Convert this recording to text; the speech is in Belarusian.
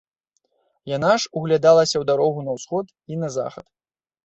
Яна ж углядалася ў дарогу на ўсход і на захад.